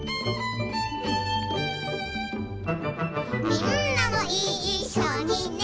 「みんなもいっしょにね」